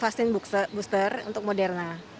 saya kesini untuk vaksin booster untuk moderna